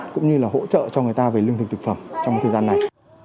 cũng như là hỗ trợ cho người ta về lương thực thực phẩm trong thời gian này